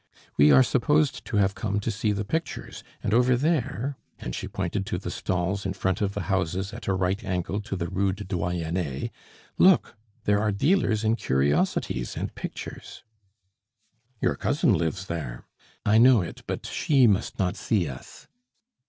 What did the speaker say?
"We are supposed to have come to see the pictures, and over there" and she pointed to the stalls in front of the houses at a right angle to the Rue du Doyenne "look! there are dealers in curiosities and pictures " "Your cousin lives there." "I know it, but she must not see us."